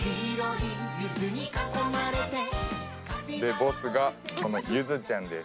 ボスがこのユズちゃんです